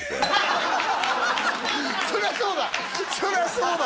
そりゃそうだ